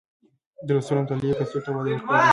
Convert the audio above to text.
د لوستلو او مطالعې کلتور ته وده ورکړئ